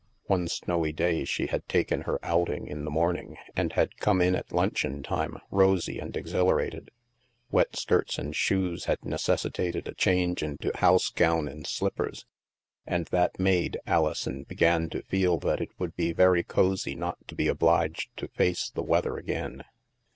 One snowy day, she had taken her outing in the morning, and had come in at luncheon time rosy and exhilarated. Wet skirts and shoes had neces THE MAELSTROM 165 sitated a change into house gown and sHppers and, that made, AHson began to feel that it would be very cozy not to be obliged to face the weather again.